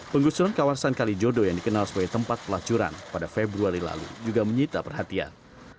penggusuran kawasan kalijodo yang dikenal sebagai tempat pelacuran pada februari lalu juga menyita perhatian